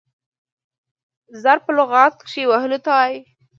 ضرب په لغت کښي وهلو ته وايي.